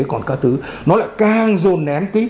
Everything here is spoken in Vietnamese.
còn các thứ nó lại càng rôn nén